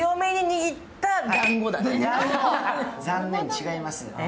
残念違います。